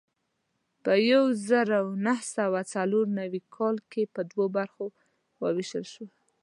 په یو زر نهه سوه څلور نوي کې په دوو برخو وېشل شو.